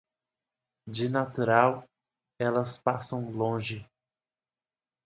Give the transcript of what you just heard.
De natural, elas passam longe.